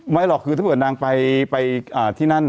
ไม่หรอกคือถ้าเธอนังไปที่นั่น